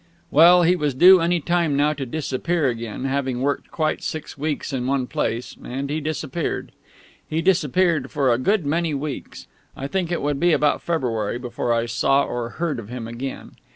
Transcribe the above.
Well, he was due any time now to disappear again, having worked quite six weeks in one place; and he disappeared. He disappeared for a good many weeks. I think it would be about February before I saw or heard of him again.